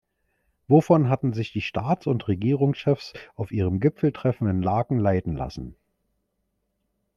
Wovon hatten sich die Staats- und Regierungschefs auf ihrem Gipfeltreffen in Laeken leiten lassen?